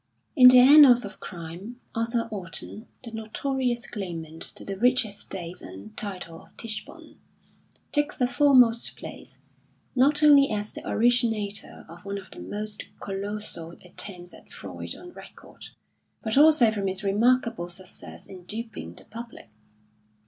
In the annals of crime, Arthur Orton, the notorious claimant to the rich estates and title of Tichborne, takes a foremost place; not only as the originator of one of the most colossal attempts at fraud on record, but also from his remarkable success in duping the public.